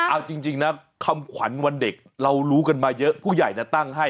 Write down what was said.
เอาจริงนะคำขวัญวันเด็กเรารู้กันมาเยอะผู้ใหญ่ตั้งให้